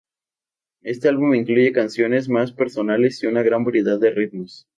Este álbum incluye canciones más personales y una gran variedad de ritmos.